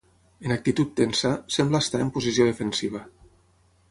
En actitud tensa, sembla estar en posició defensiva.